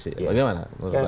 bagaimana menurut anda